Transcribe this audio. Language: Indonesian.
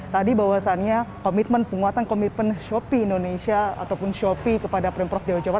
tadi bahwasannya komitmen penguatan komitmen shopee indonesia ataupun shopee kepada pemprov jawa jawa